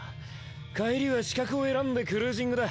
帰りは死角を選んでクルージングだ。